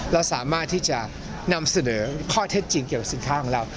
เราสามารถที่จะนำเสนอข้อเท็จจริงเกี่ยวกับสินค้าของเรา